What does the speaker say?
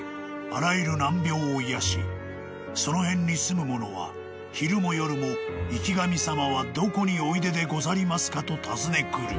あらゆる難病を癒やしその辺に住む者は昼も夜も生神様はどこにおいででござりますかと訪ね来る」］